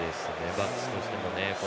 バックスとしても。